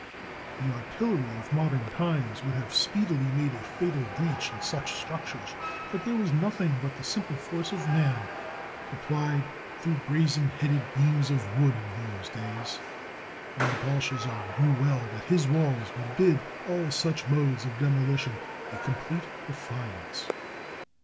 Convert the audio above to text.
The artillery of modern times would have speedily made a fatal breach in such structures ; but there was nothing but the simple force of man, applied through brazen headed beams of wood, in those days, and Belshazzar knew well that his walls would bid all such modes of demohtion a complete defiance.